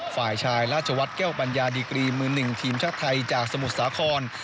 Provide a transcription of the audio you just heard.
ฝ่ายชายราชวัฒน์แก้วปัญญาดีกรีมือหนึ่งทีมชาติไทยจากสมุทรสาคร